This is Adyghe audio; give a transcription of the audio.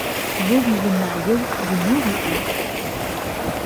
О уиунаеу унэ уиӏа?